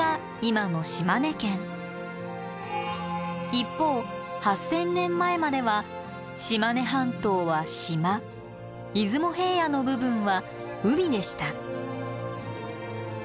一方８，０００年前までは島根半島は島出雲平野の部分は海でした